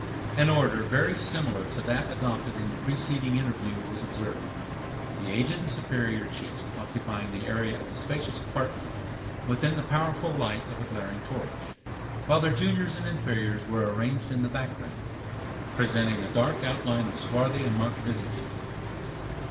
An order very similar to that adopted in the preceding interview was observed; the aged and superior chiefs occupying the area of the spacious apartment, within the powerful light of a glaring torch, while their juniors and inferiors were arranged in the background, presenting a dark outline of swarthy and marked visages.